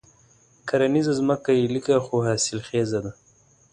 کرنيزه ځمکه یې لږه خو حاصل خېزه ده.